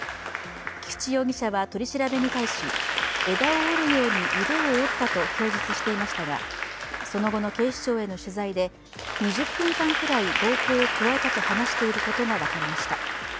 菊池容疑者は取り調べに対し枝を折るように腕を折ったと供述していましたがその後の警視庁への取材で２０分間くらい暴行を加えたと話していることが分かりました。